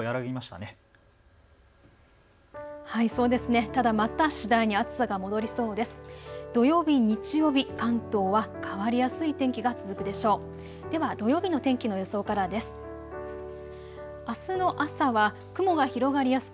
ただまた次第に暑さが戻りそうです。